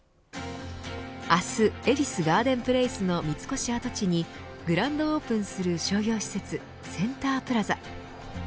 明日恵比寿ガーデンプレイスの三越跡地にグランドオープンする商業施設センタープラザ。